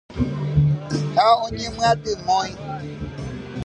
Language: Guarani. Ha oñemyatymói.